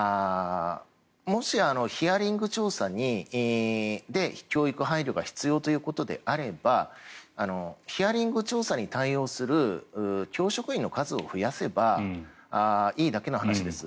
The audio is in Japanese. もし、ヒアリング調査で教育配慮が必要ということであればヒアリング調査に対応する教職員の数を増やせばいいだけの話です。